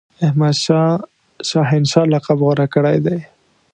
احمدشاه شاه هنشاه لقب غوره کړی دی.